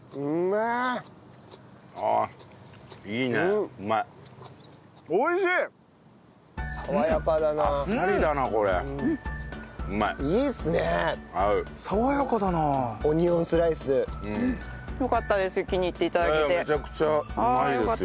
ええめちゃくちゃうまいですよ。